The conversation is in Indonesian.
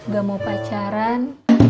gak mau pacaran